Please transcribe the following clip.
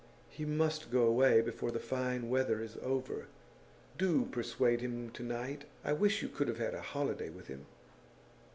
He must go away before the fine weather is over. Do persuade him to night! I wish you could have had a holiday with him.